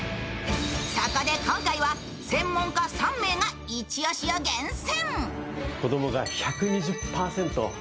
そこで今回は専門家２名がイチ押しを厳選。